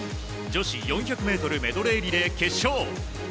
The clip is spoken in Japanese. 女子４００ｍメドレーリレー決勝。